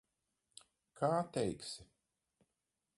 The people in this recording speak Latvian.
Kā teiksi.